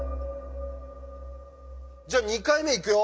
じゃあ２回目いくよ。